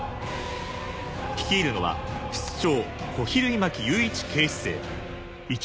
率いるのは室長小比類巻祐一警視正。